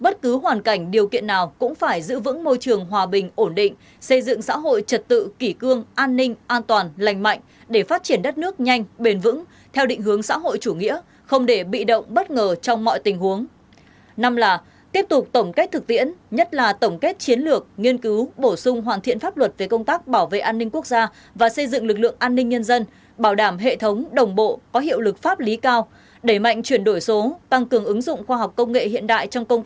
năm tiếp tục tổng kết thực tiễn nhất là tổng kết chiến lược nghiên cứu bổ sung hoàn thiện pháp luật về công tác bảo vệ an ninh quốc gia và xây dựng lực lượng an ninh nhân dân bảo đảm hệ thống đồng bộ có hiệu lực pháp lý cao đẩy mạnh chuyển đổi số tăng cường ứng dụng khoa học công nghệ hiện đại trong công ty